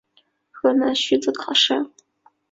河南戊子乡试。